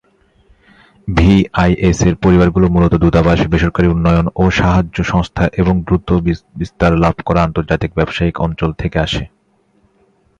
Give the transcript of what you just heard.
ভিআইএস-এর পরিবারগুলো মূলত দূতাবাস, বেসরকারি উন্নয়ন ও সাহায্য সংস্থা এবং দ্রুত বিস্তার লাভ করা আন্তর্জাতিক ব্যবসায়িক অঞ্চল থেকে আসে।